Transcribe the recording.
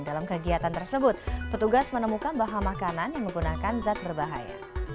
dalam kegiatan tersebut petugas menemukan bahan makanan yang menggunakan zat berbahaya